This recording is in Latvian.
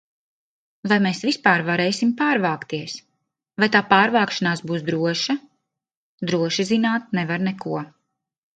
Vai mēs vispār varēsim pārvākties, vai tā pārvākšanās būs droša? Droši zināt nevar neko.